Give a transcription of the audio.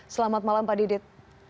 selamat malam pak didit